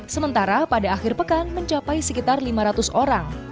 sementara pada akhir pekan mencapai sekitar lima ratus orang